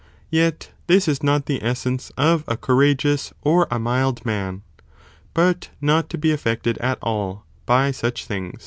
Yet this is not the essence of a courageous or a mild man, but not to be affected at all, by such things.